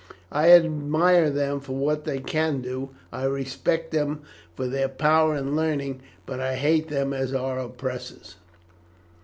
I admire them for what they can do; I respect them for their power and learning; but I hate them as our oppressors."